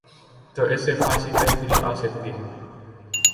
تو اس سے خاصی بہتری آ سکتی ہے۔